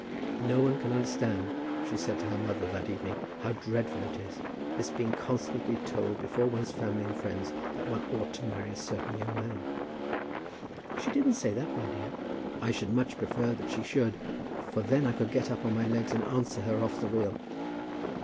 "No one can understand," she said to her mother that evening, "how dreadful it is, this being constantly told before one's family and friends that one ought to marry a certain young man." "She didn't say that, my dear." "I should much prefer that she should, for then I could get up on my legs and answer her off the reel."